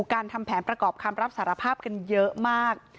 ทำแผนประกอบคำรับสารภาพกันเยอะมาก